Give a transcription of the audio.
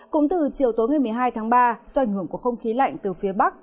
cũng từ chiều tối ngày một mươi hai tháng ba do ảnh hưởng của không khí lạnh từ phía bắc